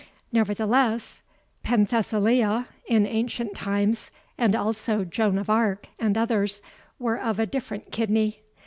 Nevertheless, Penthesilea, in ancient times, and also Joan of Arc, and others, were of a different kidney.